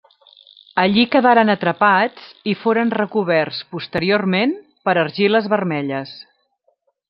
Allí quedaren atrapats i foren recoberts posteriorment per argiles vermelles.